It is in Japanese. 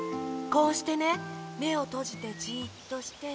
こうしてねめをとじてじっとして。